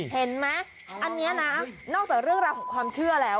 เห็นไหมอันนี้นะนอกจากเรื่องราวของความเชื่อแล้ว